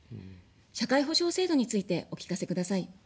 社会保障制度についてお聞かせください。